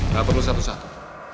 gak perlu satu satu